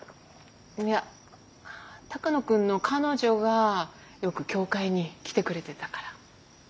いや鷹野君の彼女がよく教会に来てくれてたから。